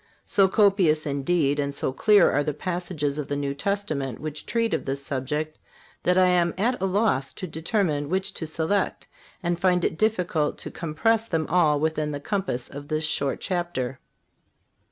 So copious, indeed, and so clear are the passages of the New Testament which treat of this subject that I am at a loss to determine which to select, and find it difficult to compress them all within the compass of this short chapter.